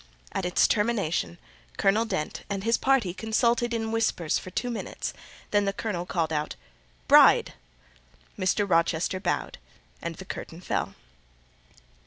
At its termination, Colonel Dent and his party consulted in whispers for two minutes, then the Colonel called out— "Bride!" Mr. Rochester bowed, and the curtain fell.